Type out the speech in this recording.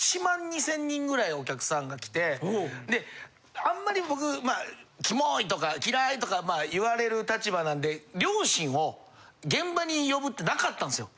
１２０００人ぐらいお客さんが来てあんまり僕「キモい」とか「嫌い」とか言われる立場なんで両親を現場に呼ぶってなかったんですよ。